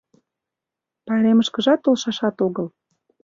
Пайремышкыжат толшашат огыл...